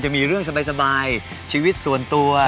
จะมีเรื่องสบายชีวิตส่วนตัว